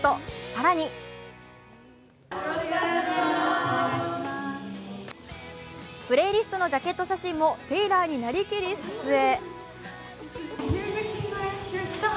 更にプレイリストのジャケット写真もテイラーになりきり撮影。